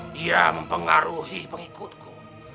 dia mempengaruhi pengikutku